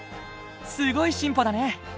すごい進歩だね。